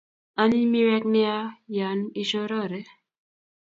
Anyiny miwek nea yan ishorore